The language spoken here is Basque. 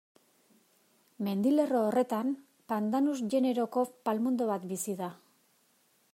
Mendilerro horretan, Pandanus generoko palmondo bat bizi da.